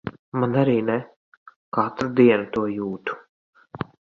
Man arī ne. Katru dienu to jūtu.